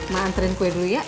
ma anterin gue dulu ya